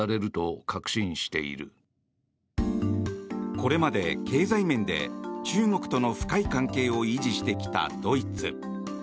これまで経済面で中国との深い関係を維持してきたドイツ。